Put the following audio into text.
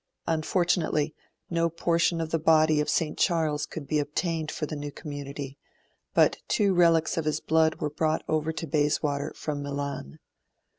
Unfortunately, no portion of the body of St. Charles could be obtained for the new community, but two relics of his blood were brought over to Bayswater from Milan.